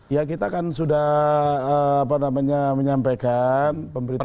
ya kita kan sudah menyampaikan pemberitahuan